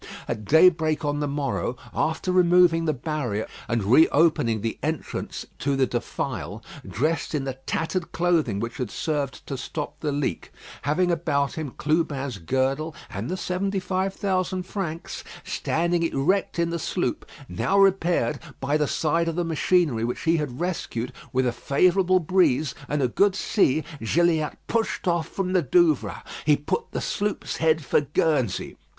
At daybreak on the morrow, after removing the barrier and re opening the entrance to the defile, dressed in the tattered clothing which had served to stop the leak, having about him Clubin's girdle and the seventy five thousand francs, standing erect in the sloop, now repaired, by the side of the machinery which he had rescued, with a favourable breeze and a good sea, Gilliatt pushed off from the Douvres. He put the sloop's head for Guernsey.